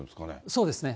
そうですね。